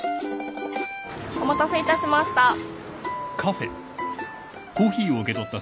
お待たせいたしました。